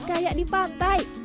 kayak di pantai